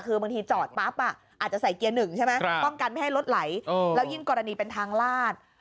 คือบางทีจอดปั๊บอาจจะใส่เกียร์หนึ่งใช่ไหมป้องกันไม่ให้รถไหลแล้วยิ่งกรณีเป็นทางลาด